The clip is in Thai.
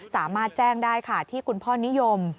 สามารถแจ้งได้ค่ะที่คุณพ่อนิยม